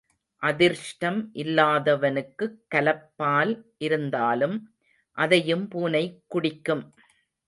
அதிர்ஷ்டம் இல்லாதவனுக்குக் கலப்பால் இருந்தாலும் அதையும் பூனை குடிக்கும்.